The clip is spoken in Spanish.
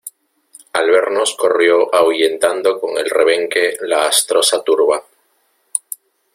al vernos corrió ahuyentando con el rebenque la astrosa turba,